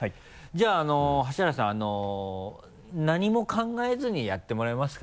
じゃあ橋原さん何も考えずにやってもらえますか。